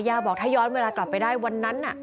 บอกถ้าย้อนเวลากลับไปได้วันนั้น